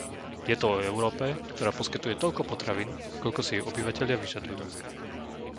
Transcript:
Je to o Európe, ktorá poskytuje toľko potravín, koľko si jej obyvatelia vyžadujú.